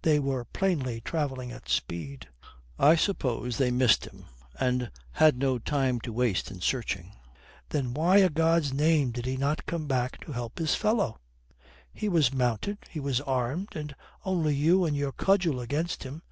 They were plainly travelling at speed. I suppose they missed him, and had no time to waste in searching." "Then why o' God's name did he not come back to help his fellow? He was mounted, he was armed, and only you and your cudgel against him.